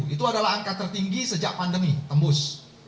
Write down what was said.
itu adalah angka tertinggi sejak pandemi tembus satu ratus empat puluh empat